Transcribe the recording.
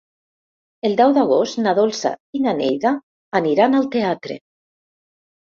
El deu d'agost na Dolça i na Neida aniran al teatre.